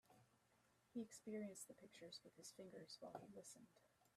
He experienced the pictures with his fingers while he listened.